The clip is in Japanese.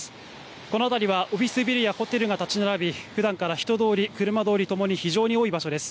この辺りはオフィスビルやホテルが建ち並びふだんから人通り、車通りともに非常に多い場所です。